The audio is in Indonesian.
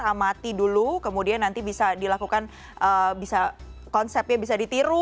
amati dulu kemudian nanti bisa dilakukan bisa konsepnya bisa ditiru